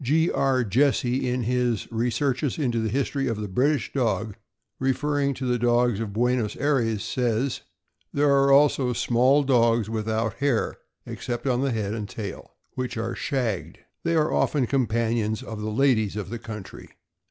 G. R. Jesse, in his l ' Researches into the History of the British Bog," referring to the dogs of Buenos Ayres, says: There are also small dogs without hair, except on the head and tail, which are shagged ; they are often companions of the ladies of the country.